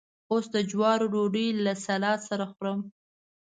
اوس د جوارو ډوډۍ له سلاد سره خورم.